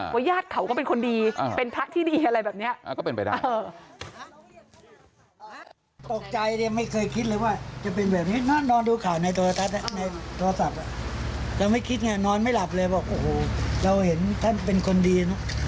ว่าญาติเขาก็เป็นคนดีเป็นพระที่ดีอะไรแบบนี้